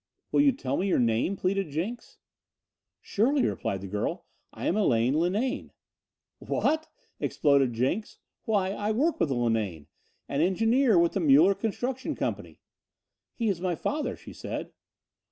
"Will you tell me your name?" pleaded Jenks. "Surely," replied the girl. "I am Elaine Linane." "What?" exploded Jenks. "Why, I work with a Linane, an engineer with the Muller Construction Company." "He is my father," she said.